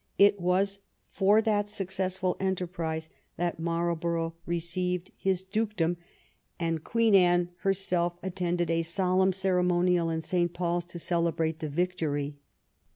It was for that successful enterprise that Marlborough received his 103 THE REIGN OF QUEEN ANNE dukedom, and Queen Anne herself attended a solemn ceremonial in St. PauFs to celebrate the victory.